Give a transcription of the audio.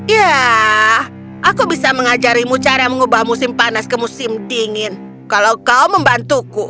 ya aku bisa mengajarimu cara mengubah musim panas ke musim dingin kalau kau membantuku